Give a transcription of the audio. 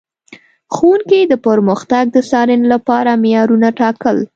ښوونکي د پرمختګ د څارنې لپاره معیارونه ټاکل.